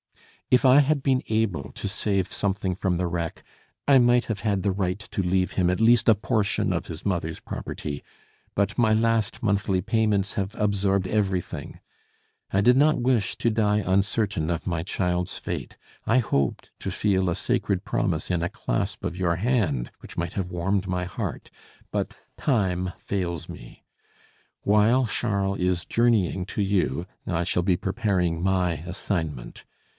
If I had been able to save something from the wreck, I might have had the right to leave him at least a portion of his mother's property; but my last monthly payments have absorbed everything. I did not wish to die uncertain of my child's fate; I hoped to feel a sacred promise in a clasp of your hand which might have warmed my heart: but time fails me. While Charles is journeying to you I shall be preparing my assignment.